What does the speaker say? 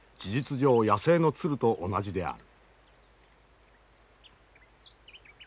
上野生の鶴と同じである。